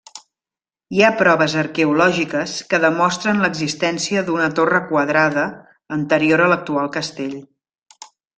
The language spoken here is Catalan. Hi ha proves arqueològiques que demostren l'existència d'una torre quadrada anterior a l'actual castell.